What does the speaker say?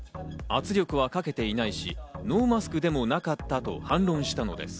圧力はかけていないし、ノーマスクでもなかったと反論したのです。